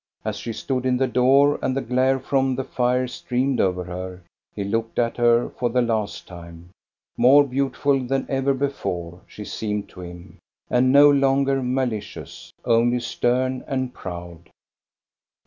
. As she stood in the door and the glare from the fire streamed over her, he looked at her for the last time.' More beautiful than ever before, she seemed to him, and no longer malicious, only stem and proud.